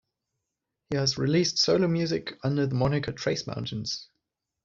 He has released solo music under the moniker Trace Mountains.